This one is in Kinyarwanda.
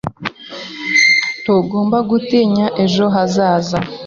Ntugomba gutinya ejo hazaza.